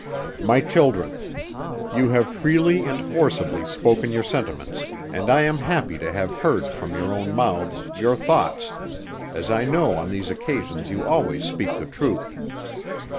"My Children. You have freely and forcibly spoken your sentiments, and I am happy to have heard from your own mouths, your thoughts, as I know on these occasions you always speak the truth.